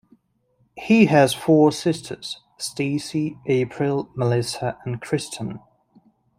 He has four sisters: Stacy, April, Melissa and Kristen.